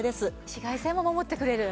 紫外線も守ってくれる。